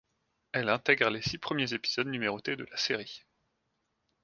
Elle intègre les six premiers épisodes numérotés de la série.